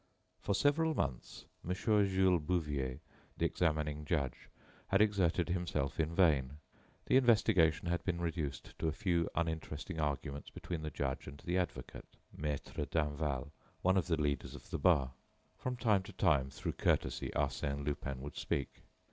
For several months, Mon. Jules Bouvier, the examining judge, had exerted himself in vain. The investigation had been reduced to a few uninteresting arguments between the judge and the advocate, Maître Danval, one of the leaders of the bar. From time to time, through courtesy, Arsène Lupin would speak.